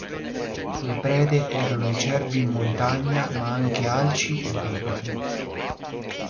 Le prede erano i cervi in montagna, ma anche alci e bighorn.